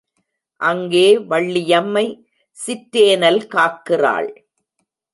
அங்கே வள்ளியம்மை சிற்றேனல் காக்கிறாள்.